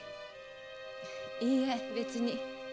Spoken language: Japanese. いいえ別に。